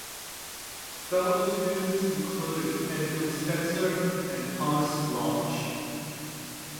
Fellow students included Edmund Spenser and Thomas Lodge.